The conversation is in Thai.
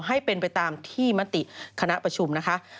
ให้เป็นไปตามที่มติคณะประชุมนะคะ